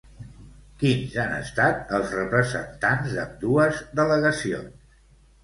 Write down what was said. Quins han estat els representants d'ambdues delegacions?